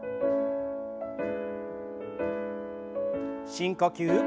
深呼吸。